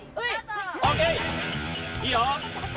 いいよ